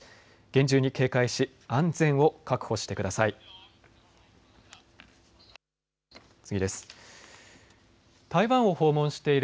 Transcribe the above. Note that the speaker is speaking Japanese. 厳重に警戒し安全を確保してください。